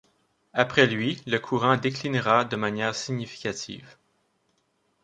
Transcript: Après lui, le courant déclinera de manière significative.